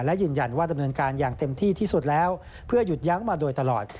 และยืนยันว่าดำเนินการอย่างเต็มที่ที่สุดแล้วเพื่อหยุดยั้งมาโดยตลอด